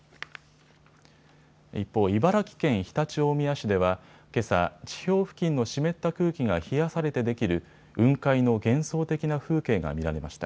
一方、茨城県常陸大宮市ではけさ、地表付近の湿った空気が冷やされてできる雲海の幻想的な風景が見られました。